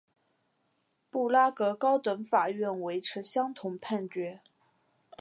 布拉格高等法院维持相同判决。